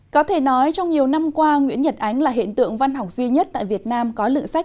có thể nói trong nhiều năm qua nguyễn nhật ánh là hiện tượng văn học duy nhất tại việt nam có lựa sách in lần đầu tiên